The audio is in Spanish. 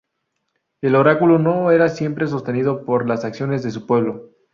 El oráculo no era siempre sostenido por las acciones de su pueblo.